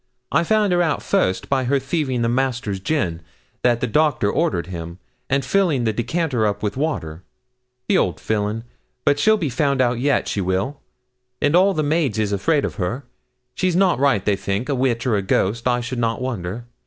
I found her out first by her thieving the Master's gin, that the doctor ordered him, and filling the decanter up with water the old villain; but she'll be found out yet, she will; and all the maids is afraid on her. She's not right, they think a witch or a ghost I should not wonder.